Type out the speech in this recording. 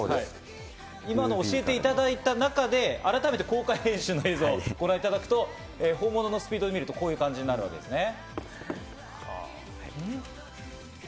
今の教えていただいた中で改めて公開練習の映像をご覧いただくと、本物のスピードを見るとこんな感じです。